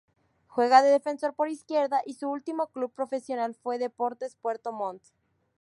Juega de Defensor por izquierda y su último club profesional fue Deportes Puerto Montt.